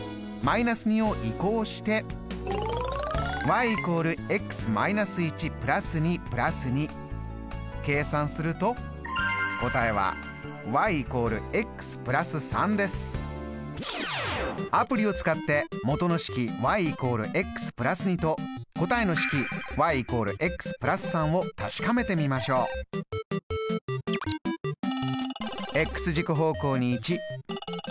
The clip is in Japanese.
−２を移項して計算すると答えはアプリを使って元の式＝＋２と答えの式＝＋３を確かめてみましょ軸方向に１軸方向に２。